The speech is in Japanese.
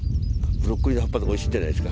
ブロッコリーの葉っぱとかおいしいんじゃないですか。